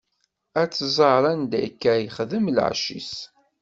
Ad-tẓer anda akka yexdem lɛecc-is.